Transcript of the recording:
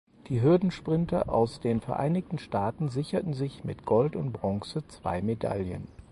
Die Hürdensprinter aus den Vereinigten Staaten sicherten sich mit Gold und Bronze zwei Medaillen.